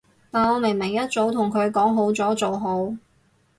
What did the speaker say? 但我明明一早同佢講好咗，做好